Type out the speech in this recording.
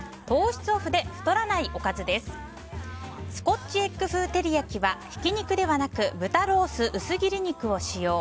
スコッチエッグ風照り焼きはひき肉ではなく豚ロース薄切り肉を使用。